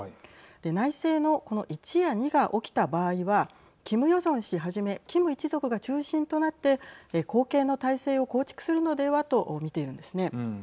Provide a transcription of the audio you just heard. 内政のこの１や２が起きた場合はキム・ヨジョン氏はじめキム一族が中心となって後継の体制を構築するのではと見ているんですね。